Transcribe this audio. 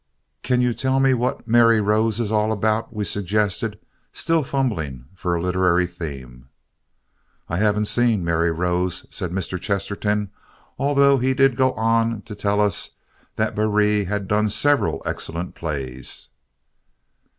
"Can you tell me what 'Mary Rose' is all about?" we suggested, still fumbling for a literary theme. "I haven't seen 'Mary Rose,'" said Mr. Chesterton, although he did go on to tell us that Barrie had done several excellent plays.